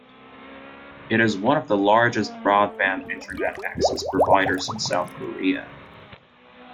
It is one of the largest broadband Internet access providers in South Korea.